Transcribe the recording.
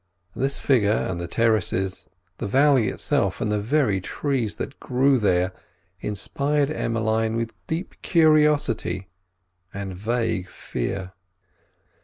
This figure and the terraces, the valley itself, and the very trees that grew there, inspired Emmeline with deep curiosity and vague fear.